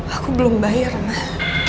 aku belum bayar mah